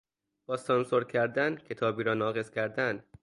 با سانسور کردن کتابی را ناقص کردن